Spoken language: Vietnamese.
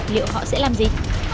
liệu họ sẽ làm gì